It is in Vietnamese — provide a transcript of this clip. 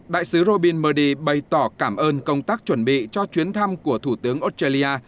đại sứ robin murdy bày tỏ cảm ơn công tác chuẩn bị cho chuyến thăm của thủ tướng australia